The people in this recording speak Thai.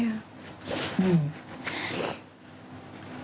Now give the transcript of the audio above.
ไม่ค่ะ